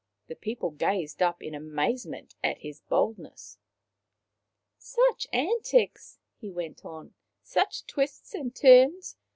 The people gazed up in amazement at his boldness. " Such antics !" he went on. Such twists and turns